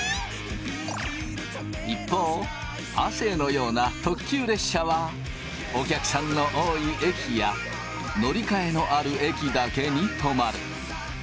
一方亜生のような特急列車はお客さんの多い駅や乗り換えのある駅だけに止まる。